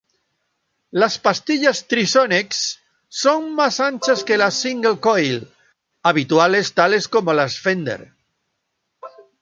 Las pastillas Tri-Sonics son más anchas que las single-coil habituales tales como las Fender.